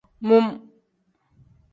Mum.